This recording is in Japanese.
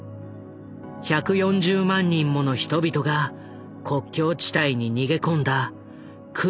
１４０万人もの人々が国境地帯に逃げ込んだクルド難民危機だ。